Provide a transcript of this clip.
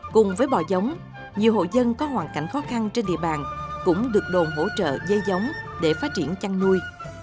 cùng với bò giống nhiều hộ dân có hoàn cảnh khó khăn trên địa bàn cũng được đồn hỗ trợ dây giống để phát triển chăn nuôi